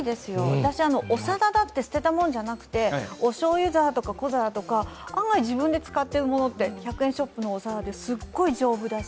私、お皿だって捨てたもんじゃなくておしょうゆ皿とか小皿とか案外自分で使っているものって、１００円ショップのお皿ってすっごい丈夫だし。